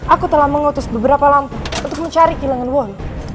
aku telah mengutus beberapa lampu untuk mencari kilangan wolu